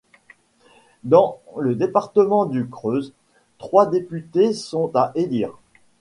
Dans le département du Creuse, trois députés sont à élire.